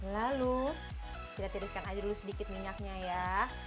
lalu kita tiriskan aja dulu sedikit minyaknya ya